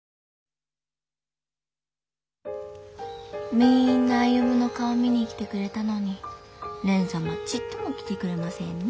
みんな歩の顔見に来てくれたのに蓮様ちっとも来てくれませんね。